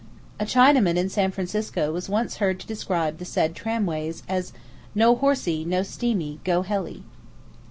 A Chinaman in San Francisco was once heard to describe the said tramways as "No horsey, no steamy, go helly."